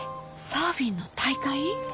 サーフィンの大会？